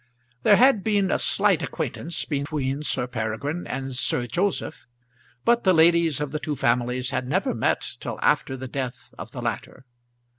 There had been a slight acquaintance between Sir Peregrine and Sir Joseph; but the ladies of the two families had never met till after the death of the latter.